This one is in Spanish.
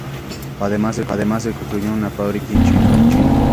Además, se construyó una fábrica en Nanjing, China.